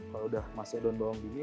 kalau sudah masuk daun bawang begini